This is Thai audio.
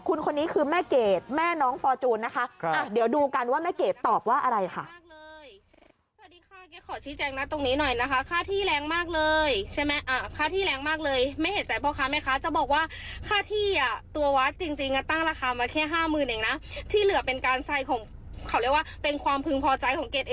คุณคนนี้คือแม่เกดแม่น้องฟอร์จูนนะคะ